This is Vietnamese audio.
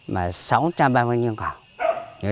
mà sáu trăm ba mươi nhân khảo